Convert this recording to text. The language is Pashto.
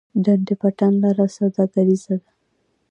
ډنډ پټان لاره سوداګریزه ده؟